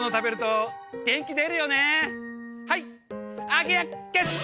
アゲアゲッツ！